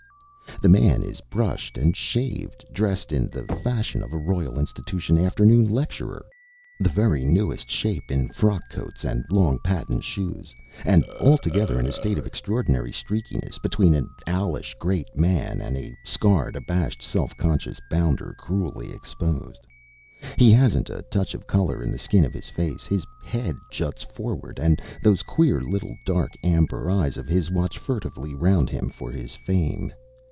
"The man is brushed and shaved, dressed in the fashion of a Royal Institution Afternoon Lecturer, the very newest shape in frock coats and long patent shoes, and altogether in a state of extraordinary streakiness between an owlish great man and a scared abashed self conscious bounder cruelly exposed. He hasn't a touch of colour in the skin of his face, his head juts forward, and those queer little dark amber eyes of his watch furtively round him for his fame.